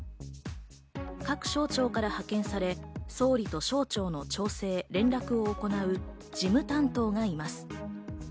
各省庁から派遣され、総理と省庁の調整・連絡を行う事務担当がいます。